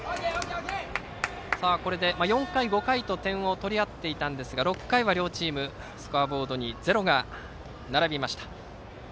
これで４回、５回と点を取り合っていたんですが６回は両チームスコアボードにゼロが並びました。